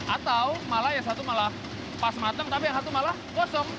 atau malah yang satu malah pas mateng tapi yang satu malah kosong